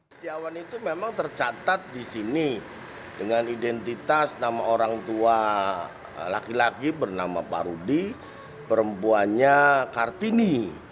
setiawan itu memang tercatat di sini dengan identitas nama orang tua laki laki bernama pak rudi perempuannya kartini